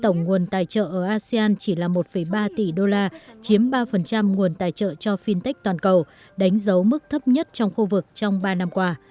tổng nguồn tài trợ ở asean chỉ là một ba tỷ đô la chiếm ba nguồn tài trợ cho fintech toàn cầu đánh dấu mức thấp nhất trong khu vực trong ba năm qua